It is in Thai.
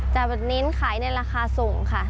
จะเน้นขายในราคาส่งค่ะ